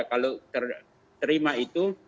kalau terima itu